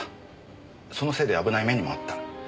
そのせいで危ない目にも遭った。